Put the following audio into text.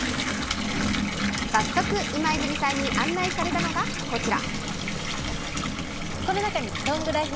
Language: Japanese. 早速、今泉さんに案内されたのがこちら。